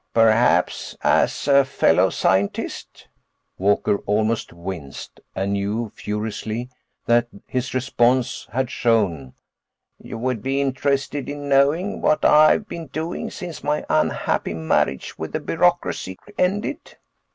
"Perhaps, as a fellow scientist"—Walker almost winced, and knew, furiously, that his response had shown—"you would be interested in knowing what I've been doing since my unhappy marriage with bureaucracy ended."